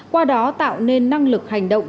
qua đó tạo nên năng lực hành động